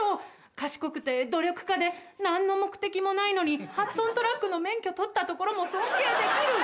賢くて努力家で何の目的もないのに８トントラックの免許取ったところも尊敬できる。